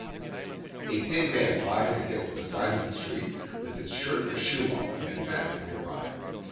A thin man lies against the side of the street with his shirt and a shoe off and bags nearby